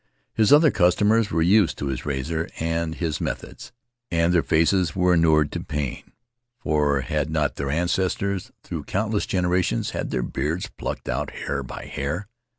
His other customers were used to his razor and his methods, and their faces were inured to pain; for had not their ancestors, through countless generations, had their beards plucked out hair by hair?